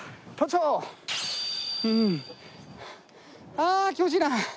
ああ気持ちいいな。